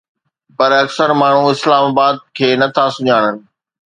پر اڪثر ماڻهو اسلام آباد کي نٿا سڃاڻن